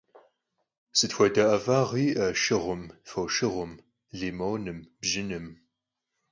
Sıt xuede 'ef'ağ yi'e şşığum, foşşığum, limonım, bjınım?